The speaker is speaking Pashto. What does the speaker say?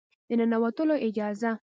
د ننوتلو اجازه